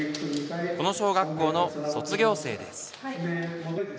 この小学校の卒業生です。